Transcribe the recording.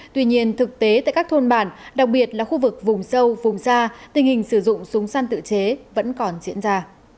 tuy nhiên thực tế tại các thôn bản đặc biệt là khu vực vùng sâu vùng xa tình hình sử dụng súng săn tự chế vẫn còn diễn ra